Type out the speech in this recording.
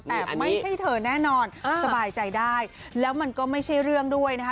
แต่ไม่ใช่เธอแน่นอนสบายใจได้แล้วมันก็ไม่ใช่เรื่องด้วยนะคะ